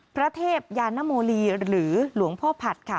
พระเทพยานนโมลีหรือหลวงพ่อผัดค่ะ